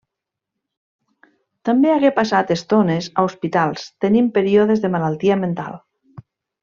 També hagué passat estones a hospitals, tenint períodes de malaltia mental.